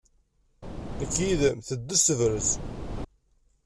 Nekk yid-m teddez tebrez.